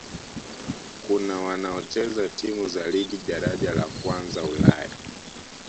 Kuna wanaocheza timu za Ligi Daraja la Kwanza Ulaya